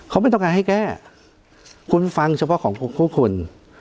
เขาไม่ต้องการให้แก้คุณฟังเฉพาะของพวกคุณ